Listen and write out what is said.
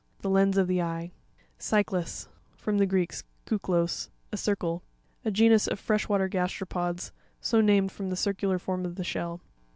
—The lens of the eye. Cy'cias.—From the Greek, kuklos, a circle. A genus of fresh water gasteropods, so named from the circular form of the shell.